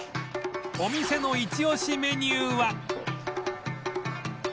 お店のイチオシメニューは